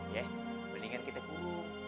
ya mendingan kita kurung